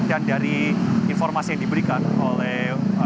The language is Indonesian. dan dari informasi yang diberikan oleh